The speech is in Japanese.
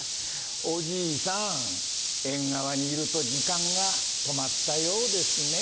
おじいさん縁側にいると時間が止まったようですね。